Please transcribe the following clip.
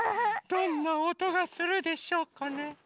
どんなおとがするでしょうかね。